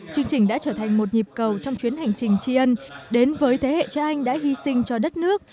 chương trình đã trở thành một nhịp cầu trong chuyến hành trình tri ân đến với thế hệ cha anh đã hy sinh cho đất nước